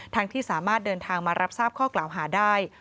ที่สามารถเดินทางมารับทราบข้อกล่าวหาได้